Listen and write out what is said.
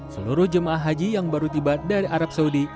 seluruh jemaah haji yang baru tiba dari arab saudi